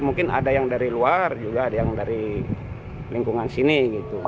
mungkin ada yang dari luar juga ada yang dari lingkungan sini gitu